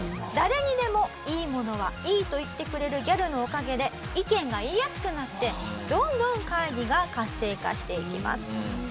誰にでもいいものはいいと言ってくれるギャルのおかげで意見が言いやすくなってどんどん会議が活性化していきます。